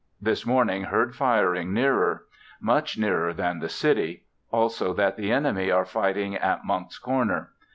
This morning heard firing, nearer; much nearer than the city; also that the enemy are fighting at Monck's Corner.